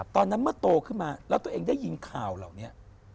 ตอนนั้นเมื่อโตขึ้นมาแล้วตัวเองได้ยินข่าวเหล่านี้